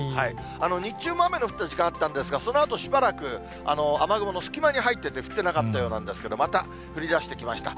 日中も雨の降った時間帯あったんですが、そのあと、しばらく雨雲の隙間に入ってて、降ってなかったようなんですけれども、また降りだしてきました。